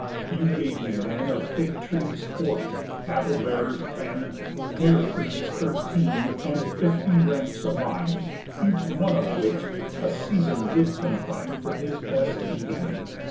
You gave me then Of fig trees forty, apple bearers ten, Pear trees thirteen, and fifty ranks of vine; Each one of which a season did confine For his best eating.